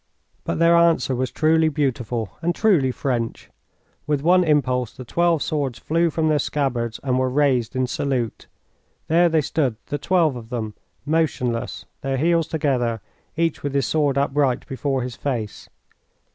But their answer was truly beautiful and truly French. With one impulse the twelve swords flew from their scabbards and were raised in salute. There they stood, the twelve of them, motionless, their heels together, each with his sword upright before his face.